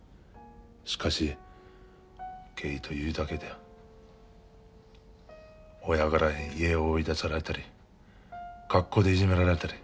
しかしゲイというだけで親から家を追い出されたり学校でいじめられたり。